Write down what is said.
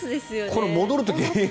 これ、戻る時。